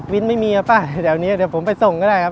วินไม่มีแบบนี้เดี๋ยวผมไปส่งก็ได้ครับ